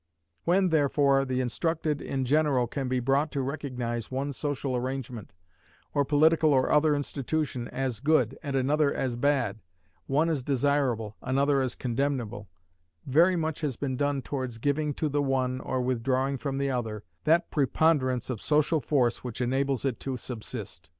When, therefore, the instructed in general can be brought to recognize one social arrangement, or political or other institution, as good, and another as bad one as desirable, another as condemnable, very much has been done towards giving to the one, or withdrawing from the other, that preponderance of social force which enables it to subsist.